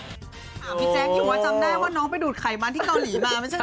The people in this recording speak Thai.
พี่แจ๊คอยู่ว่าจำได้ว่าน้องไปดูดไขมันที่เกาหลีมาไม่ใช่เหรอ